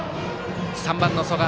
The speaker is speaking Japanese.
３番の曽我。